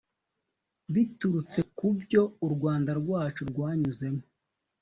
biturutse ku byo u rwanda rwacu rwanyuzemo